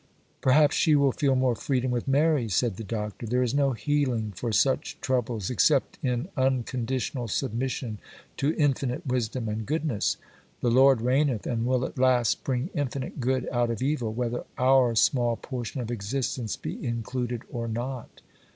'Perhaps she will feel more freedom with Mary,' said the Doctor. 'There is no healing for such troubles except in unconditional submission to Infinite Wisdom and Goodness. The Lord reigneth, and will at last bring infinite good out of evil, whether our small portion of existence be included or not.